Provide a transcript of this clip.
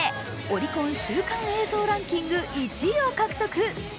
オリコン週間映像ランキング１位を獲得。